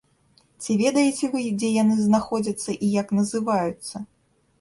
Ці ведаеце вы, дзе яны знаходзяцца і як называюцца?